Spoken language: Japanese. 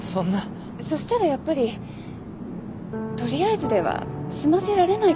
そしたらやっぱり取りあえずでは済ませられない気がして。